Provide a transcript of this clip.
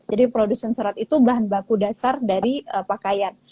jadi produsen serat itu bahan baku dasar dari pakaian